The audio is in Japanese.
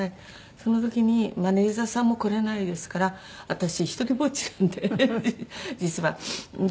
その時にマネジャーさんも来れないですから私独りぼっちなんで実は。